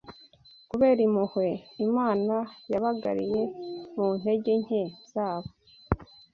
Kubera impuhwe Imana yabagariye mu ntege nke zabo